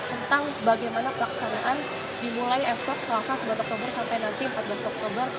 tentang bagaimana pelaksanaan dimulai esok selasa sembilan oktober sampai nanti empat belas oktober